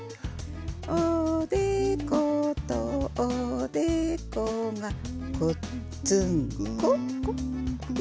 おでことおでこがごっつんこ。